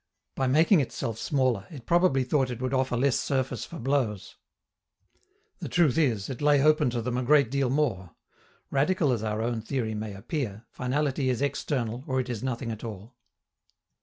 By making itself smaller, it probably thought it would offer less surface for blows. The truth is, it lay open to them a great deal more. Radical as our own theory may appear, finality is external or it is nothing at all.